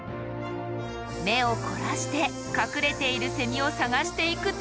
目を凝らして隠れているセミを探していくと。